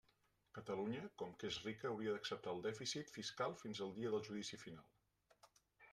Catalunya, com que és rica, hauria d'acceptar el dèficit fiscal fins al dia del judici final.